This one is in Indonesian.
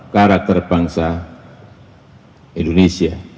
karakter bangsa indonesia